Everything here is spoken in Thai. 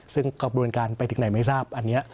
ซึ่งกระบวนการไปถึงไหนไม่ทราบอันนี้